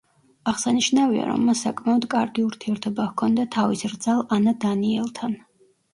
აღსანიშნავია, რომ მას საკმაოდ კარგი ურთიერთობა ჰქონდა თავის რძალ ანა დანიელთან.